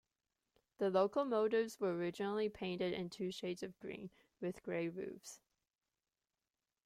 The locomotives were originally painted in two shades of green, with grey roofs.